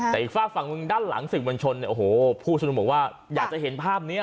แต่อีกฝากฝั่งด้านหลังสื่อบรรชนผู้ชนุมบอกว่าอยากจะเห็นภาพนี้